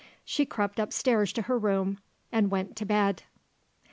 She crept upstairs to her room and went to bed.